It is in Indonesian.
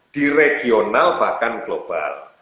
di regional bahkan global